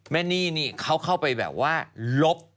แม่นี่นี่เขาเข้าไปแบบว่าลบ